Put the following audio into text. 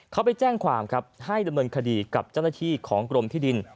เขาไปแจ้งความครับให้ดำเนินคดีกับเจ้าหน้าที่ของกรมที่ดิน